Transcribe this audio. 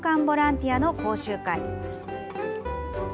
ボランティアの講習会。